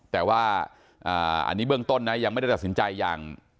แต่ว่าอันนี้เบื้องต้นนะยังไม่ได้ตัดสินใจอย่าง